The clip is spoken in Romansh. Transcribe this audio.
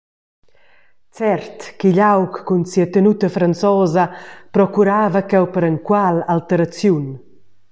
Cert ch’igl aug cun sia tenuta franzosa procurava cheu per enqual alteraziun.